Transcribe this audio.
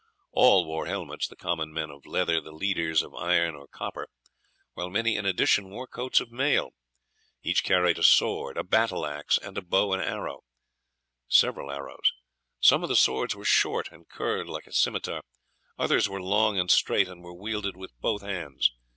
All wore helmets, the common men of leather, the leaders of iron or copper, while many in addition wore coats of mail. Each carried a sword, a battle axe, and a bow and arrows. Some of the swords were short and curled like a scimitar; others were long and straight, and were wielded with both hands.